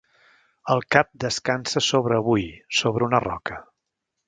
El cap descansa sobre avui sobre una roca.